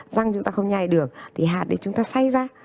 răng chúng ta không nhai được thì hạt chúng ta xay ra